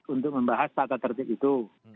untuk membahas tata tertib itu